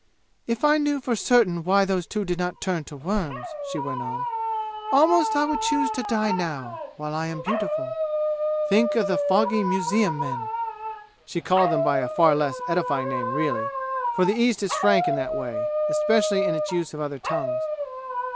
"If I knew for certain why those two did not turn to worms," she went on, "almost I would choose to die now, while I am beautiful! Think of the fogy museum men!" (She called them by a far less edifying name, really, for the East is frank in that way, especially in its use of other tongues.)